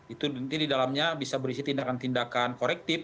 itu nanti di dalamnya bisa berisi tindakan tindakan korektif